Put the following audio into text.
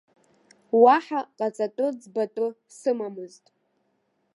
Уаҳа ҟаҵатәы, ӡбатәы сымамызт.